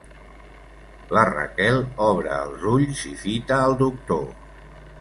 La Raquel obre els ulls i fita el doctor.